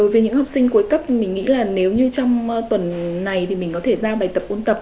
về học sinh cuối cấp mình nghĩ là nếu như trong tuần này thì mình có thể ra bài tập ôn tập